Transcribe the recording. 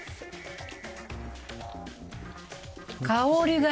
香り？